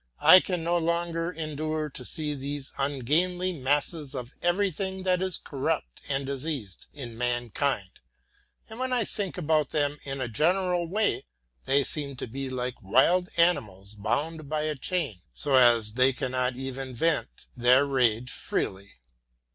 I can no longer endure to see these ungainly masses of everything that is corrupt and diseased in mankind; and when I think about them in a general way they seem to me like wild animals bound by a chain, so that they cannot even vent their rage freely.